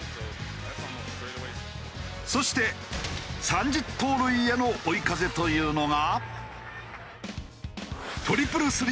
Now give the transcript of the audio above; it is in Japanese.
そして３０盗塁への追い風というのが。